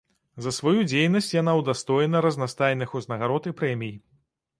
За сваю дзейнасць яна ўдастоена разнастайных узнагарод і прэмій.